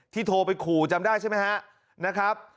ที่โทรไปขู่จำได้ใช่ไหมฮะนะครับ